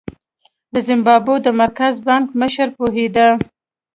د زیمبابوې د مرکزي بانک مشر پوهېده.